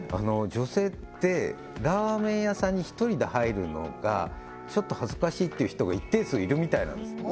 女性ってラーメン屋さんに１人で入るのがちょっと恥ずかしいっていう人が一定数いるみたいなんです